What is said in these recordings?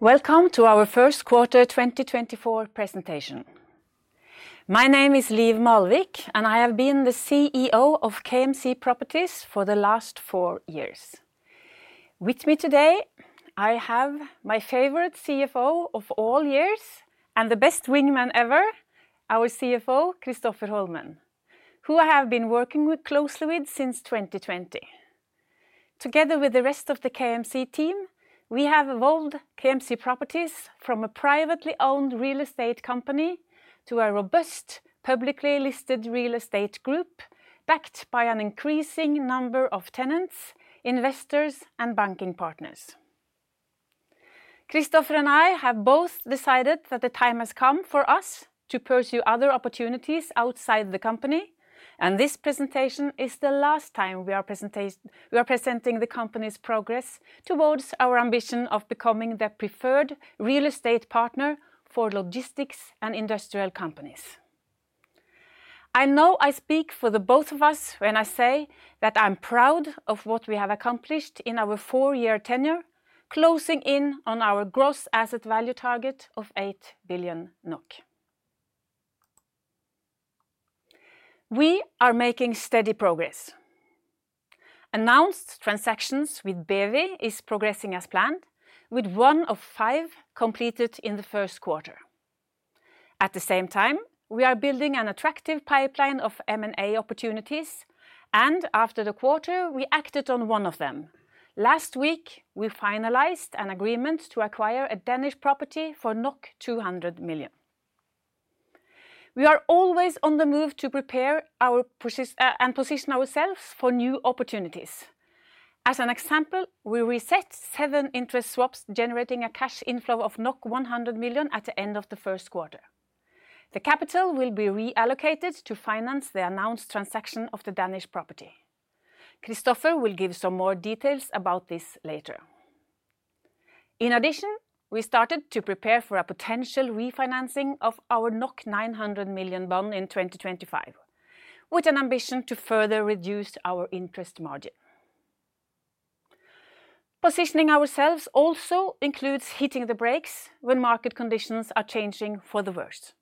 Welcome to our first quarter 2024 presentation. My name is Liv Malvik, and I have been the CEO of KMC Properties for the last four years. With me today, I have my favorite CFO of all years, and the best wingman ever, our CFO, Kristoffer Holmen, who I have been working closely with since 2020. Together with the rest of the KMC team, we have evolved KMC Properties from a privately owned real estate company to a robust publicly listed real estate group backed by an increasing number of tenants, investors, and banking partners. Kristoffer and I have both decided that the time has come for us to pursue other opportunities outside the company, and this presentation is the last time we are presenting the company's progress towards our ambition of becoming the preferred real estate partner for logistics and industrial companies. I know I speak for the both of us when I say that I'm proud of what we have accomplished in our four-year tenure, closing in on our gross asset value target of 8 billion NOK. We are making steady progress. Announced transactions with BEWI are progressing as planned, with one of five completed in the first quarter. At the same time, we are building an attractive pipeline of M&A opportunities, and after the quarter, we acted on one of them. Last week, we finalized an agreement to acquire a Danish property for 200 million. We are always on the move to prepare and position ourselves for new opportunities. As an example, we reset seven interest swaps generating a cash inflow of 100 million at the end of the first quarter. The capital will be reallocated to finance the announced transaction of the Danish property. Kristoffer will give some more details about this later. In addition, we started to prepare for a potential refinancing of our 900 million bond in 2025, with an ambition to further reduce our interest margin. Positioning ourselves also includes hitting the brakes when market conditions are changing for the worse.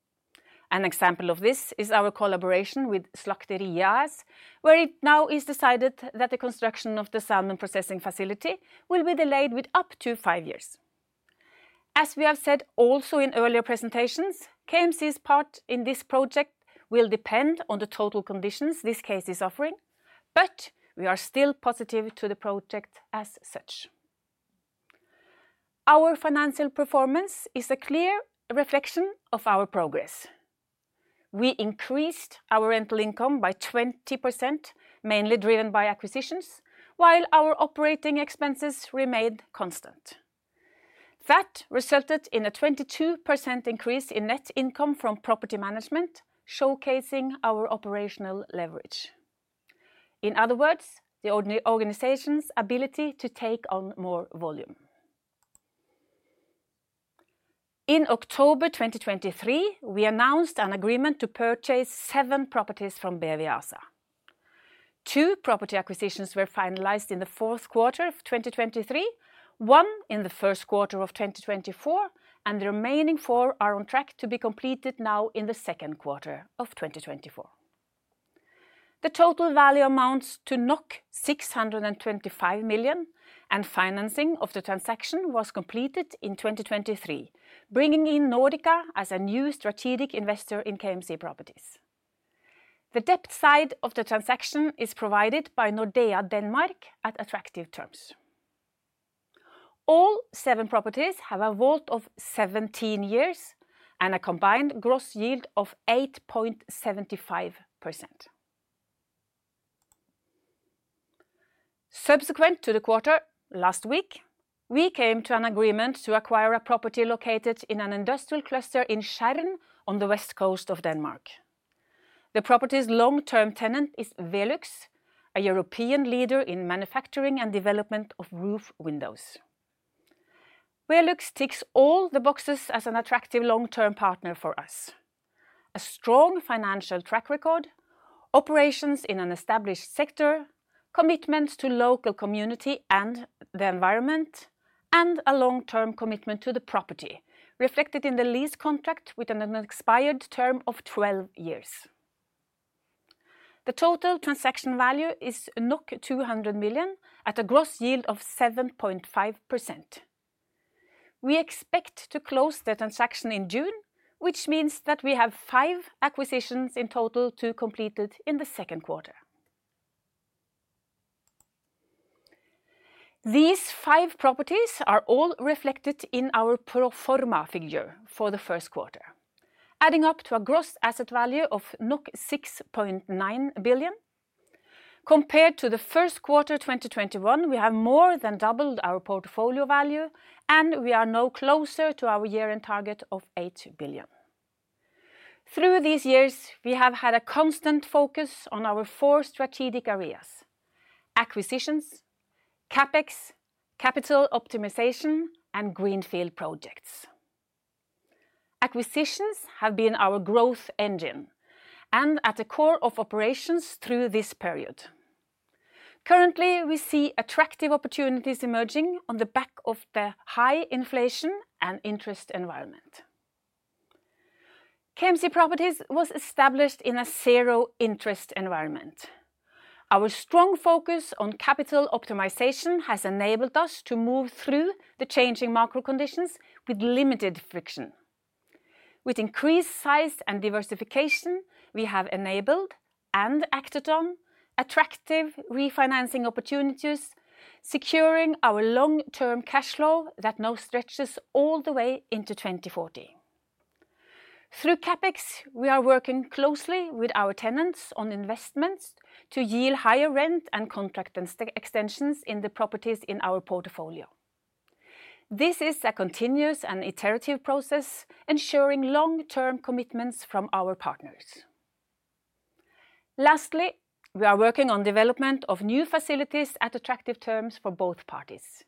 An example of this is our collaboration with Slakteriet AS, where it now is decided that the construction of the salmon processing facility will be delayed with up to five years. As we have said also in earlier presentations, KMC's part in this project will depend on the total conditions this case is offering, but we are still positive to the project as such. Our financial performance is a clear reflection of our progress. We increased our rental income by 20%, mainly driven by acquisitions, while our operating expenses remained constant. That resulted in a 22% increase in net income from property management, showcasing our operational leverage. In other words, the organization's ability to take on more volume. In October 2023, we announced an agreement to purchase 7 properties from BEWI ASA. Two property acquisitions were finalized in the fourth quarter of 2023, one in the first quarter of 2024, and the remaining four are on track to be completed now in the second quarter of 2024. The total value amounts to 625 million, and financing of the transaction was completed in 2023, bringing in Nordika as a new strategic investor in KMC Properties. The debt side of the transaction is provided by Nordea Denmark at attractive terms. All seven properties have a WAULT of 17 years and a combined gross yield of 8.75%. Subsequent to the quarter last week, we came to an agreement to acquire a property located in an industrial cluster in Skjern on the west coast of Denmark. The property's long-term tenant is VELUX, a European leader in manufacturing and development of roof windows. VELUX ticks all the boxes as an attractive long-term partner for us: a strong financial track record, operations in an established sector, commitment to local community and the environment, and a long-term commitment to the property, reflected in the lease contract with an expired term of 12 years. The total transaction value is 200 million at a gross yield of 7.5%. We expect to close the transaction in June, which means that we have five acquisitions in total to be completed in the second quarter. These five properties are all reflected in our pro forma figure for the first quarter, adding up to a gross asset value of 6.9 billion. Compared to the first quarter 2021, we have more than doubled our portfolio value, and we are now closer to our year-end target of 8 billion. Through these years, we have had a constant focus on our four strategic areas: acquisitions, CapEx, capital optimization, and greenfield projects. Acquisitions have been our growth engine and at the core of operations through this period. Currently, we see attractive opportunities emerging on the back of the high inflation and interest environment. KMC Properties was established in a zero-interest environment. Our strong focus on capital optimization has enabled us to move through the changing macro conditions with limited friction. With increased size and diversification, we have enabled and acted on attractive refinancing opportunities, securing our long-term cash flow that now stretches all the way into 2040. Through CapEx, we are working closely with our tenants on investments to yield higher rent and contract extensions in the properties in our portfolio. This is a continuous and iterative process, ensuring long-term commitments from our partners. Lastly, we are working on development of new facilities at attractive terms for both parties.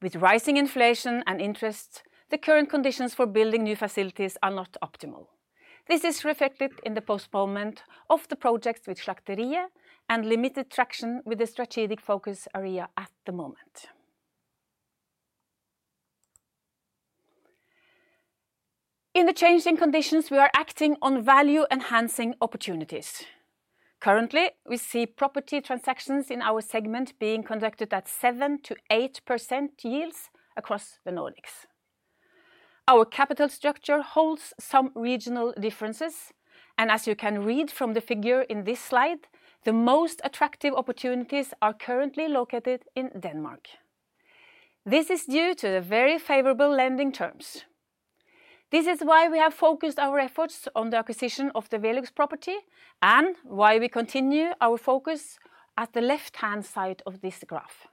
With rising inflation and interest, the current conditions for building new facilities are not optimal. This is reflected in the postponement of the projects with Slakteriet and limited traction with the strategic focus area at the moment. In the changing conditions, we are acting on value-enhancing opportunities. Currently, we see property transactions in our segment being conducted at 7%-8% yields across the Nordics. Our capital structure holds some regional differences, and as you can read from the figure in this slide, the most attractive opportunities are currently located in Denmark. This is due to the very favorable lending terms. This is why we have focused our efforts on the acquisition of the VELUX property and why we continue our focus at the left-hand side of this graph.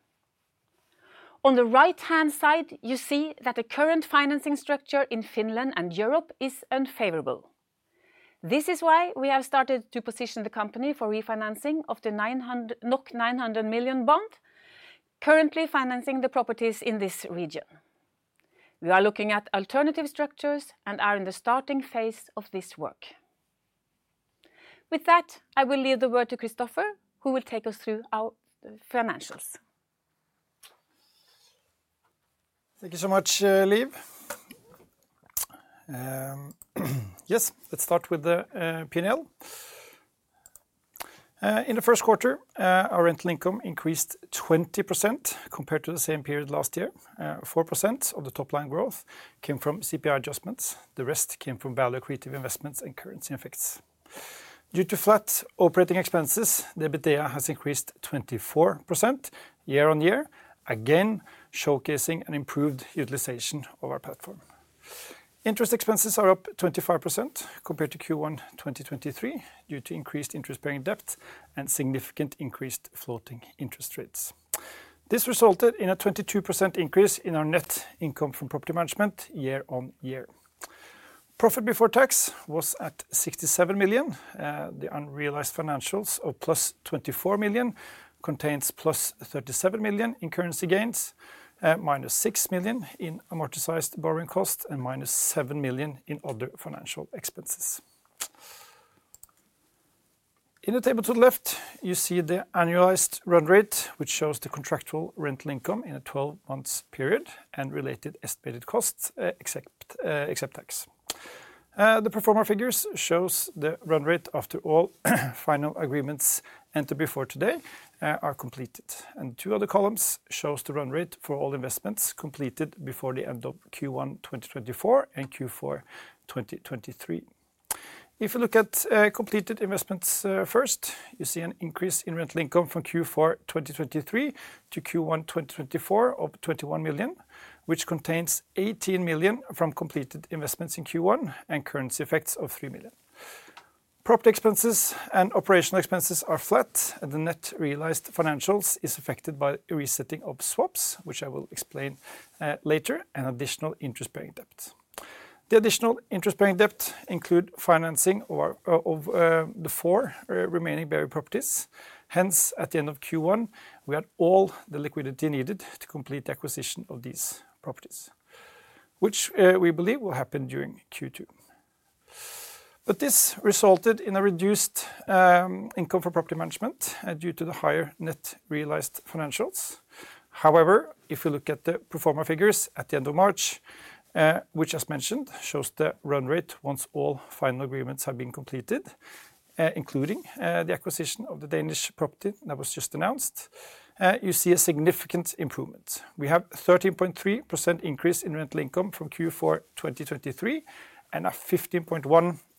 On the right-hand side, you see that the current financing structure in Finland and Europe is unfavorable. This is why we have started to position the company for refinancing of the 900 million bond, currently financing the properties in this region. We are looking at alternative structures and are in the starting phase of this work. With that, I will leave the word to Kristoffer, who will take us through our financials. Thank you so much, Liv. Yes, let's start with the P&L. In the first quarter, our rental income increased 20% compared to the same period last year. 4% of the top-line growth came from CPI adjustments. The rest came from value creative investments and currency effects. Due to flat operating expenses, EBITDA has increased 24% year-over-year, again showcasing an improved utilization of our platform. Interest expenses are up 25% compared to Q1 2023 due to increased interest-bearing debt and significant increased floating interest rates. This resulted in a 22% increase in our net income from property management year-over-year. Profit before tax was at 67 million. The unrealized financials of +24 million contain +37 million in currency gains, -6 million in amortized borrowing costs, and -7 million in other financial expenses. In the table to the left, you see the annualized run rate, which shows the contractual rental income in a 12-month period and related estimated costs except tax. The pro forma figures show the run rate after all final agreements entered before today are completed. The two other columns show the run rate for all investments completed before the end of Q1 2024 and Q4 2023. If you look at completed investments first, you see an increase in rental income from Q4 2023 to Q1 2024 of 21 million, which contains 18 million from completed investments in Q1 and currency effects of 3 million. Property expenses and operational expenses are flat, and the net realized financials are affected by resetting of swaps, which I will explain later, and additional interest-bearing debt. The additional interest-bearing debt includes financing of the four remaining BEWI properties. Hence, at the end of Q1, we had all the liquidity needed to complete the acquisition of these properties, which we believe will happen during Q2. This resulted in a reduced income for property management due to the higher net realized financials. However, if we look at the proforma figures at the end of March, which, as mentioned, show the run rate once all final agreements have been completed, including the acquisition of the Danish property that was just announced, you see a significant improvement. We have a 13.3% increase in rental income from Q4 2023 and a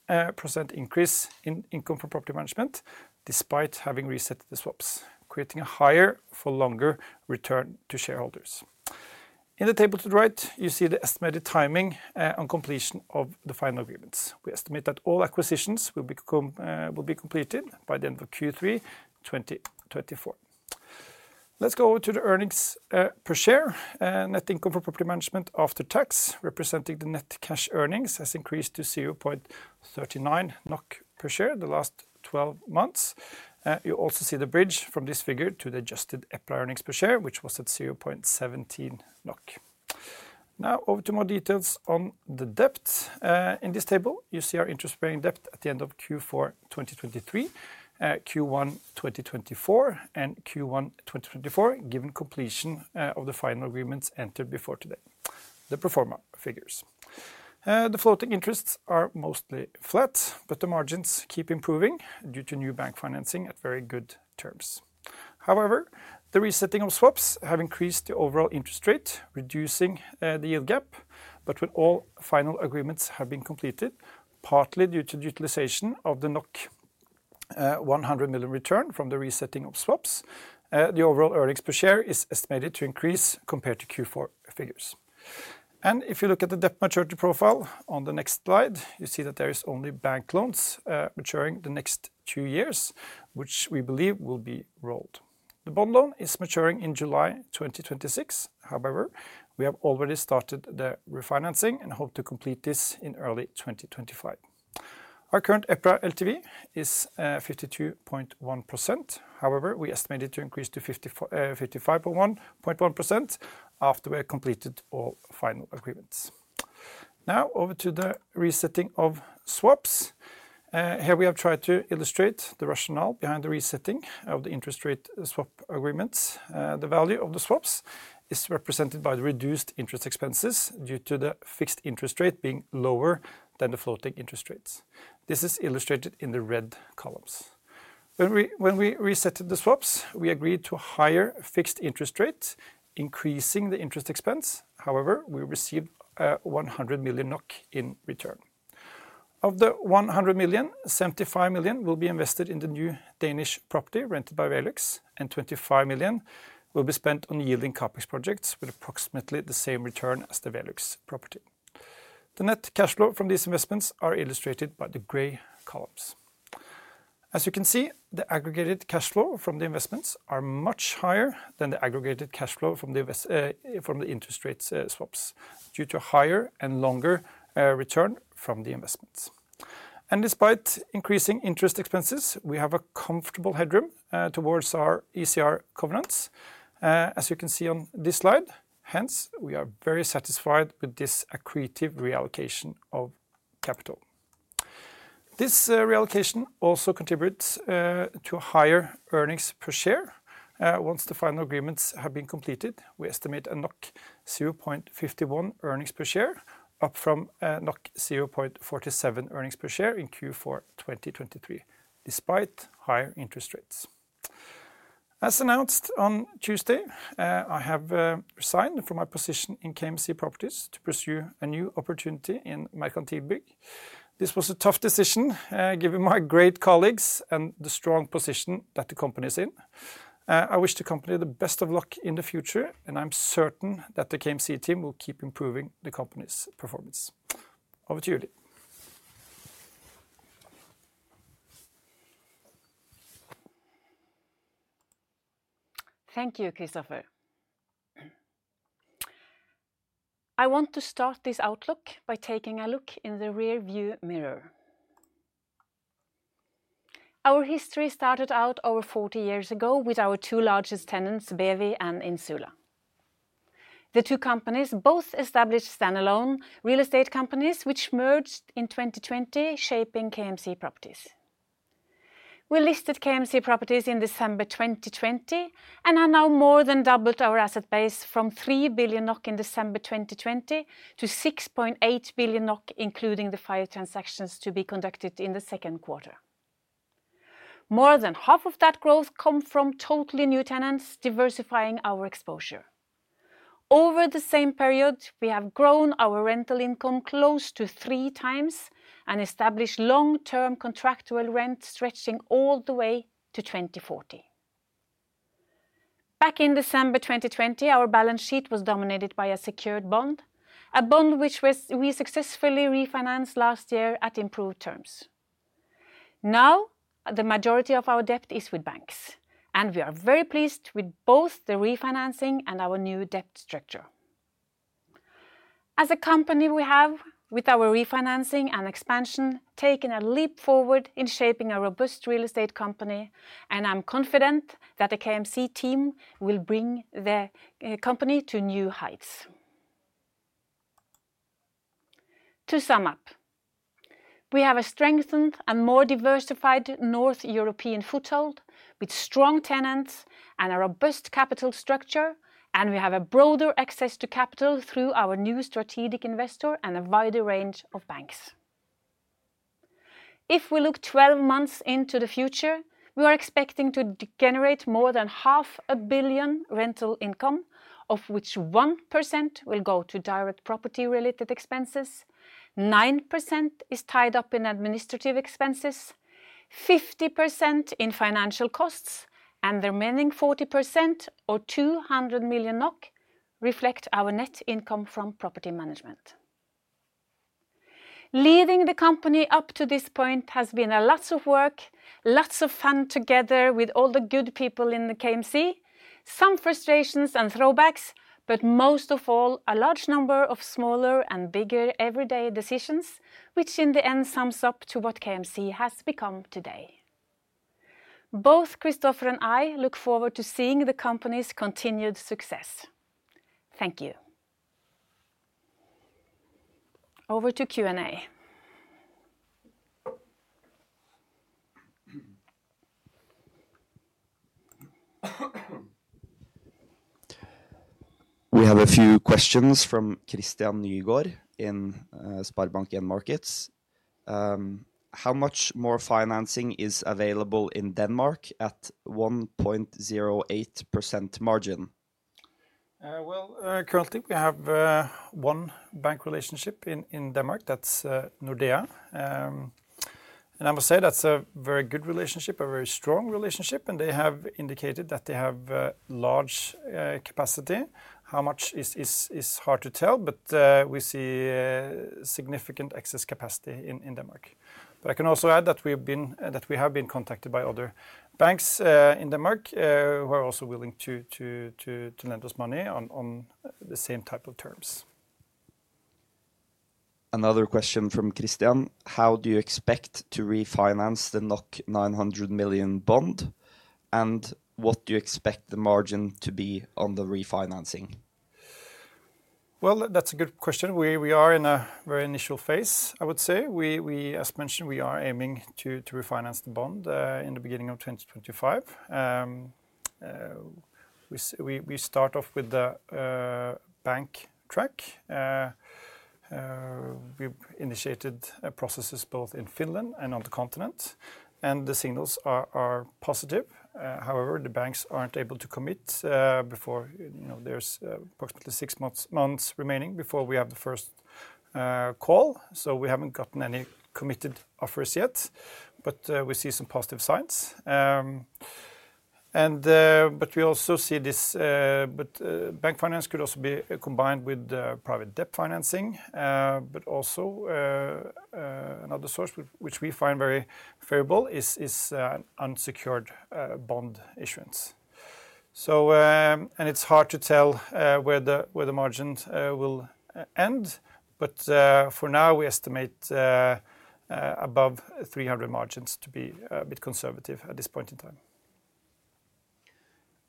15.1% increase in income from property management despite having reset the swaps, creating a higher for longer return to shareholders. In the table to the right, you see the estimated timing on completion of the final agreements. We estimate that all acquisitions will be completed by the end of Q3 2024. Let's go over to the earnings per share. Net income for property management after tax, representing the net cash earnings, has increased to 0.39 NOK per share the last 12 months. You also see the bridge from this figure to the adjusted EPRA earnings per share, which was at 0.17 NOK. Now, over to more details on the debt. In this table, you see our interest-bearing debt at the end of Q4 2023, Q1 2024, and Q1 2024 given completion of the final agreements entered before today, the pro forma figures. The floating interests are mostly flat, but the margins keep improving due to new bank financing at very good terms. However, the resetting of swaps has increased the overall interest rate, reducing the yield gap, but when all final agreements have been completed, partly due to the utilization of the 100 million return from the resetting of swaps, the overall earnings per share is estimated to increase compared to Q4 figures. If you look at the debt maturity profile on the next slide, you see that there are only bank loans maturing the next two years, which we believe will be rolled. The bond loan is maturing in July 2026. However, we have already started the refinancing and hope to complete this in early 2025. Our current EPRA LTV is 52.1%. However, we estimated to increase to 55.1% after we have completed all final agreements. Now, over to the resetting of swaps. Here, we have tried to illustrate the rationale behind the resetting of the interest rate swap agreements. The value of the swaps is represented by the reduced interest expenses due to the fixed interest rate being lower than the floating interest rates. This is illustrated in the red columns. When we reset the swaps, we agreed to a higher fixed interest rate, increasing the interest expense. However, we received 100 million NOK in return. Of the 100 million, 75 million will be invested in the new Danish property rented by VELUX, and 25 million will be spent on yielding CapEx projects with approximately the same return as the VELUX property. The net cash flow from these investments is illustrated by the gray columns. As you can see, the aggregated cash flow from the investments is much higher than the aggregated cash flow from the interest rate swaps due to a higher and longer return from the investments. Despite increasing interest expenses, we have a comfortable headroom towards our ICR covenants, as you can see on this slide. Hence, we are very satisfied with this accretive reallocation of capital. This reallocation also contributes to higher earnings per share. Once the final agreements have been completed, we estimate a 0.51 earnings per share, up from 0.47 earnings per share in Q4 2023 despite higher interest rates. As announced on Tuesday, I have resigned from my position in KMC Properties to pursue a new opportunity in Merkantilbygg. This was a tough decision given my great colleagues and the strong position that the company is in. I wish the company the best of luck in the future, and I'm certain that the KMC team will keep improving the company's performance. Over to Liv. Thank you, Kristoffer. I want to start this outlook by taking a look in the rearview mirror. Our history started out over 40 years ago with our two largest tenants, BEWI and Insula. The two companies both established standalone real estate companies, which merged in 2020, shaping KMC Properties. We listed KMC Properties in December 2020 and have now more than doubled our asset base from 3 billion NOK in December 2020 to 6.8 billion NOK, including the five transactions to be conducted in the second quarter. More than half of that growth comes from totally new tenants diversifying our exposure. Over the same period, we have grown our rental income close to three times and established long-term contractual rent stretching all the way to 2040. Back in December 2020, our balance sheet was dominated by a secured bond, a bond which we successfully refinanced last year at improved terms. Now, the majority of our debt is with banks, and we are very pleased with both the refinancing and our new debt structure. As a company, we have, with our refinancing and expansion, taken a leap forward in shaping a robust real estate company, and I'm confident that the KMC team will bring the company to new heights. To sum up, we have a strengthened and more diversified North European foothold with strong tenants and a robust capital structure, and we have broader access to capital through our new strategic investor and a wider range of banks. If we look 12 months into the future, we are expecting to generate more than 500 million rental income, of which 1% will go to direct property-related expenses, 9% is tied up in administrative expenses, 50% in financial costs, and the remaining 40%, or 200 million NOK, reflect our net income from property management. Leading the company up to this point has been lots of work, lots of fun together with all the good people in the KMC, some frustrations and throwbacks, but most of all, a large number of smaller and bigger everyday decisions, which in the end sums up to what KMC has become today. Both Kristoffer and I look forward to seeing the company's continued success. Thank you. Over to Q&A. We have a few questions from Christian Nygaard in SpareBank 1 Markets. How much more financing is available in Denmark at 1.08% margin? Currently, we have one bank relationship in Denmark. That's Nordea. I must say that's a very good relationship, a very strong relationship, and they have indicated that they have large capacity. How much is hard to tell, but we see significant excess capacity in Denmark. I can also add that we have been contacted by other banks in Denmark who are also willing to lend us money on the same type of terms. Another question from Christian. How do you expect to refinance the 900 million bond, and what do you expect the margin to be on the refinancing? That's a good question. We are in a very initial phase, I would say. As mentioned, we are aiming to refinance the bond in the beginning of 2025. We start off with the bank track. We initiated processes both in Finland and on the continent, and the signals are positive. However, the banks aren't able to commit before there's approximately six months remaining before we have the first call. We haven't gotten any committed offers yet, but we see some positive signs. We also see this bank finance could also be combined with private debt financing, but also another source which we find very favorable is unsecured bond issuance. It's hard to tell where the margin will end, but for now, we estimate above 300 margins to be a bit conservative at this point in time.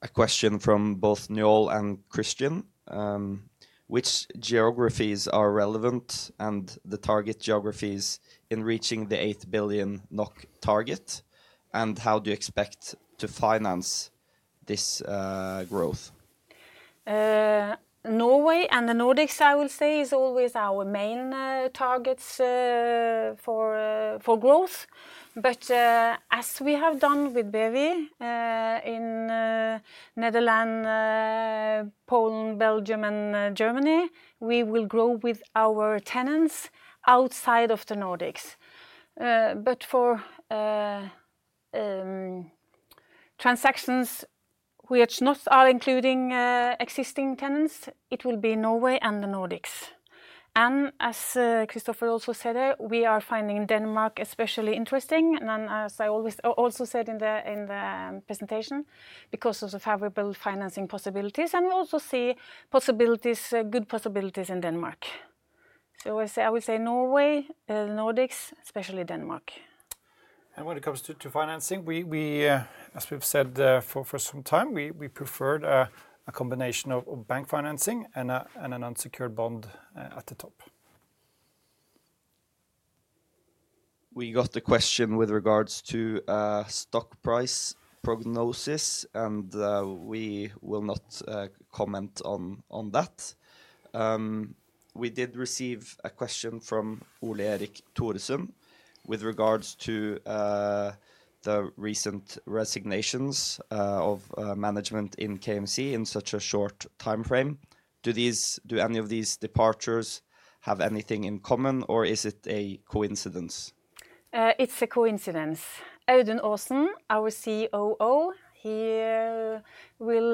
A question from both Niall and Christian. Which geographies are relevant and the target geographies in reaching the 8 billion NOK target, and how do you expect to finance this growth? Norway and the Nordics, I will say, are always our main targets for growth. As we have done with BEWI in the Netherlands, Poland, Belgium, and Germany, we will grow with our tenants outside of the Nordics. For transactions which not are including existing tenants, it will be Norway and the Nordics. As Kristoffer also said there, we are finding Denmark especially interesting, as I also said in the presentation, because of the favorable financing possibilities, and we also see good possibilities in Denmark. I will say Norway, the Nordics, especially Denmark. When it comes to financing, as we've said for some time, we preferred a combination of bank financing and an unsecured bond at the top. We got the question with regards to stock price prognosis, and we will not comment on that. We did receive a question from Ole Erik Thoresen with regards to the recent resignations of management in KMC in such a short time frame. Do any of these departures have anything in common, or is it a coincidence? It's a coincidence. Audun Aasen, our COO, will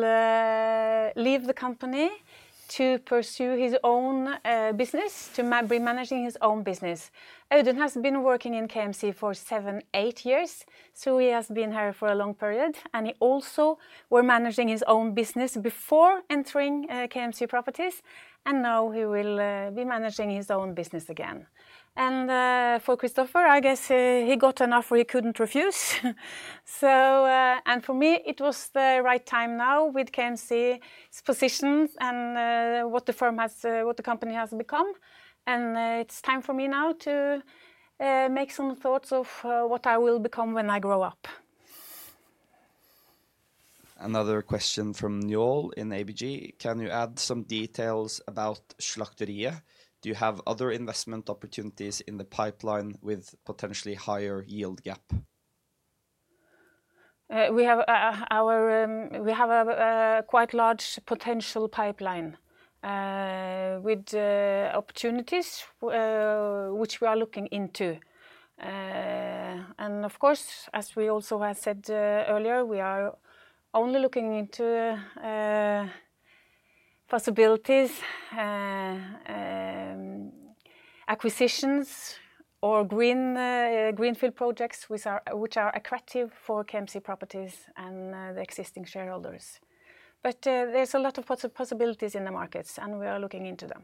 leave the company to pursue his own business, to be managing his own business. Audun has been working in KMC for seven, eight years, so he has been here for a long period. He also was managing his own business before entering KMC Properties, and now he will be managing his own business again. For Kristoffer, I guess he got an offer he couldn't refuse. For me, it was the right time now with KMC's position and what the company has become. It's time for me now to make some thoughts of what I will become when I grow up. Another question from Niall in ABG. Can you add some details about Slakteriet? Do you have other investment opportunities in the pipeline with potentially higher yield gap? We have a quite large potential pipeline with opportunities which we are looking into. Of course, as we also have said earlier, we are only looking into possibilities, acquisitions, or greenfield projects which are attractive for KMC Properties and the existing shareholders. There's a lot of possibilities in the markets, and we are looking into them.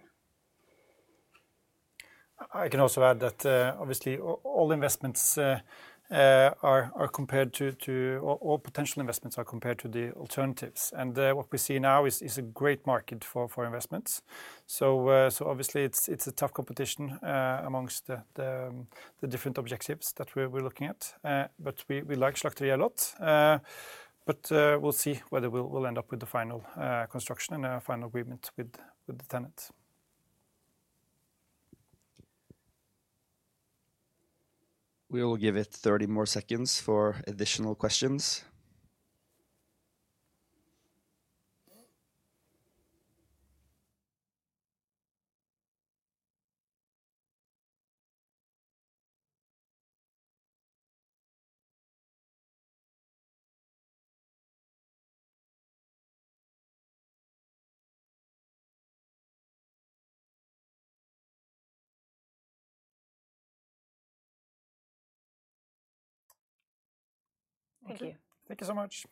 I can also add that, obviously, all potential investments are compared to the alternatives. What we see now is a great market for investments. Obviously, it's a tough competition amongst the different objectives that we're looking at, but we like Slakteriet a lot. We'll see whether we'll end up with the final construction and a final agreement with the tenants. We will give it 30 more seconds for additional questions. Thank you. Thank you so much.